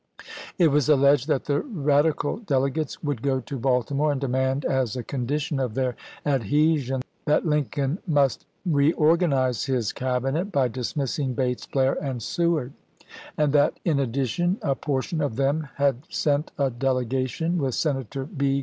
It was alleged that the Radical delegates would go to Baltimore and demand as a condition of their adhesion that Mr. Lincoln must reorganize his Cabinet by dismissing Bates, Blair, and Seward ; and that, in addition, a portion of them had sent a delegation, with Senator B.